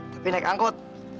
tapi naik angkut